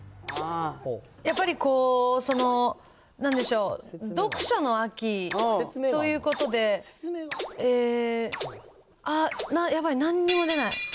やっぱりこう、その、なんでしょう、読書の秋ということで、えー、あっ、やばい、なんにも出ない。